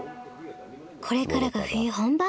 これからが冬本番。